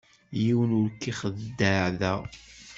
Yiwen ur k-ixeddeɛ da.